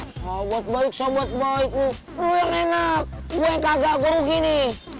sahabat baik sahabat baik lo yang enak gue yang kagak guruh gini